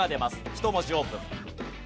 １文字オープン。